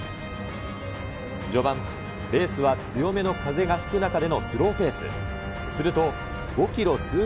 序盤、レースは強めの風が吹く中でのスローペース。